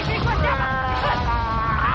claus layak kau